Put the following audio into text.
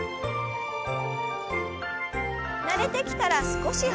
慣れてきたら少し速く。